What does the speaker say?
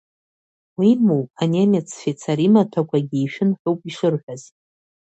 Уимоу, анемец фицар имаҭәақәагьы ишәын ҳәоуп ишырҳәаз.